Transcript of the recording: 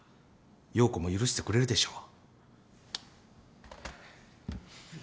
洋子も許してくれるでしょう。